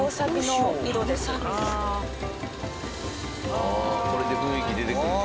ああこれで雰囲気出てくるんや。